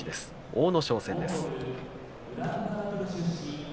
阿武咲戦です。